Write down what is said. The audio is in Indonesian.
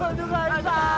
aduh gak bisa